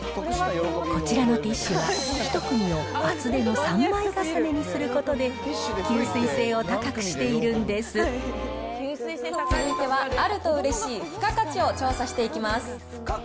こちらのティッシュは、１組を厚手の３枚重ねにすることで、吸水性を高くしているんです続いては、あるとうれしい付加価値を調査していきます。